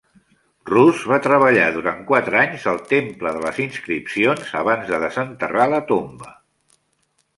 Ruz va treballar durant quatre anys al Temple de les Inscripcions abans de desenterrar la tomba.